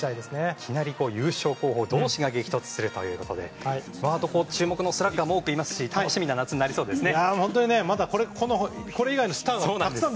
いきなり優勝候補同士が衝突するということで注目のスラッガーも多くいますし楽しみな夏になりそうですね。